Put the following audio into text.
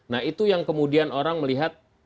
nah itu yang kemudian orang melihat